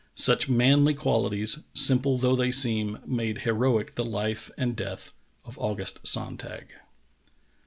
Such manly qualities, simple though they seem, made heroic the life and death of August Sonntag.